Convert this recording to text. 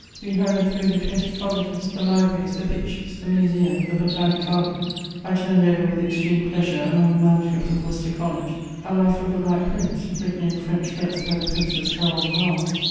We hurried through the twenty colleges, the libraries, the pictures, the museum, the botanic garden. I turned over with extreme pleasure, among the manuscripts of Worcester College, a life of the Black Prince, written in French verse by the Prince's herald at arms.